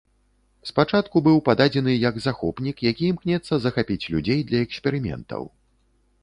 Спачатку быў пададзены як захопнік, які імкнецца захапіць людзей для эксперыментаў.